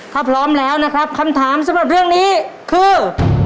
ถ้าพร้อมแล้วนะครับคำถามสำหรับเรื่องนี้คือ